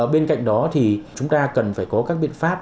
bên cạnh đó thì chúng ta cần phải có các biện pháp